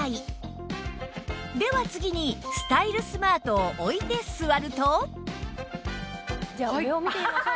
では次にスタイルスマートを置いて座ると上を見てみましょう。